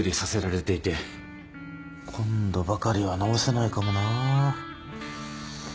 今度ばかりは直せないかもなぁ